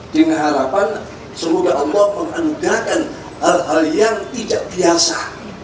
dengan harapan semoga allah mengandalkan hal hal yang tidak biasa